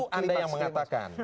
itu anda yang mengatakan